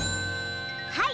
はい！